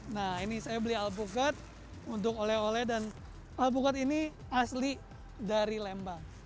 nah ini saya beli alpukat untuk oleh oleh dan alpukat ini asli dari lembang